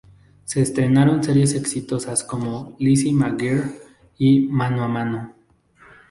Se estrenaron series exitosas como "Lizzie McGuire" y "Mano a Mano".